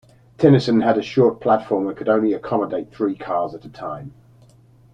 Tennyson has a short platform and could only accommodate three cars at a time.